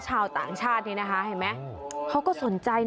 ชาวต่างชาติเขาก็สนใจ